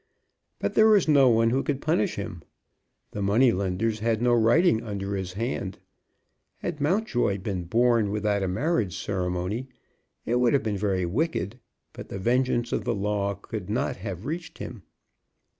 But there was no one who could punish him. The money lenders had no writing under his hand. Had Mountjoy been born without a marriage ceremony it would have been very wicked, but the vengeance of the law would not have reached him.